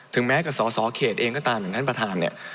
แม้กับสอสอเขตเองก็ตามอย่างท่านประธานเนี่ย